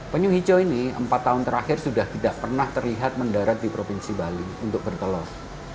penyu hijau ini empat tahun terakhir sudah tidak pernah terlihat mendarat di provinsi bali untuk bertelur